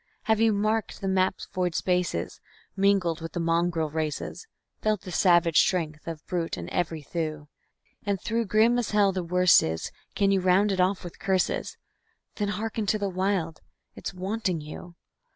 Have you marked the map's void spaces, mingled with the mongrel races, Felt the savage strength of brute in every thew? And though grim as hell the worst is, can you round it off with curses? Then hearken to the Wild it's wanting you.